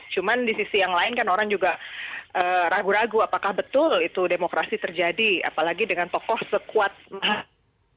cuma di sisi yang lain kan orang juga ragu ragu apakah betul itu demokrasi terjadi apalagi dengan tokoh sekuat